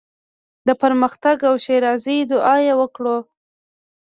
د پرمختګ او ښېرازۍ دعوا یې وکړو.